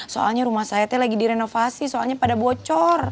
soalnya rumah saya lagi direnovasi soalnya pada bocor